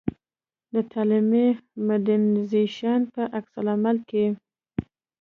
د تعلیمي مډرنیزېشن په عکس العمل کې.